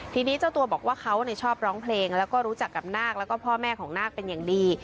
ทีนี้เจ้าตัวบอกว่าเขาชอบร้องเพลงแล้วก็รู้จักกับนาคแล้วก็พ่อแม่ของนาคเป็นอย่างดี